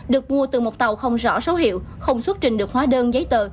được mua từ một tàu không rõ số hiệu không xuất trình được hóa đơn giấy tờ